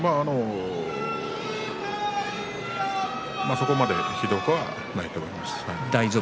そこまでひどくはないと思いますね。